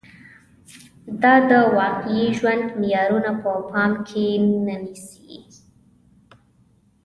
دا د واقعي ژوند معيارونه په پام کې نه نیسي